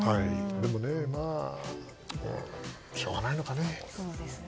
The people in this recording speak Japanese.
でもしょうがないのかね。